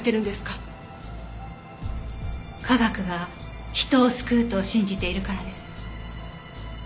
科学が人を救うと信じているからです。